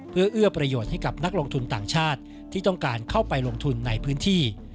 เพื่อเอื้อประโยชน์ให้กับนักลงทุนต่างชาติที่ต้องการเข้าไปลงทุนในพื้นที่